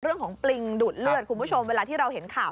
ปริงดูดเลือดคุณผู้ชมเวลาที่เราเห็นข่าว